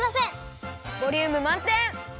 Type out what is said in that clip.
ボリュームまんてん！